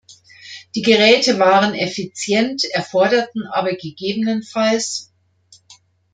Diese Geräte waren effizient, erforderten aber ggf.